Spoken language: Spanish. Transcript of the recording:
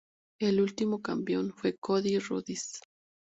El último campeón fue Cody Rhodes.